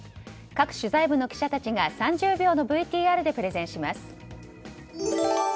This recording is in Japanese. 各取材部の記者たちが３０秒のＶＴＲでプレゼンします。